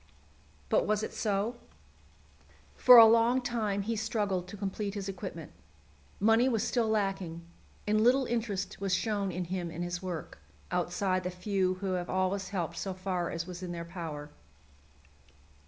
But was it so? For a long time he struggled to complete his equipment. Money was still lacking, and little interest was shown in him and his work, outside the few who have always helped so far as was in their power.